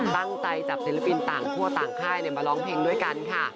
ตั้งใจจับศิลปินต่างทั่วต่างค่ายมาร้องเพลงด้วยกันค่ะ